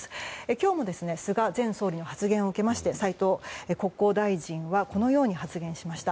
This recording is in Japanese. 今日も菅前総理の発言を受けまして斉藤国交大臣はこのように発言しました。